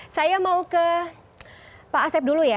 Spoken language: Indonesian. saya mau ke pak asep dulu ya